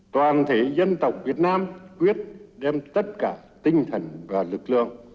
toàn thể dân tộc việt nam quyết đem tất cả tinh thần và lực lượng